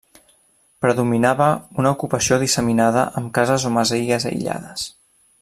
Predominava una ocupació disseminada amb cases o masies aïllades.